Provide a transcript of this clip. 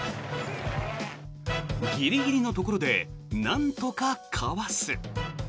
ギリギリのところでなんとかかわす。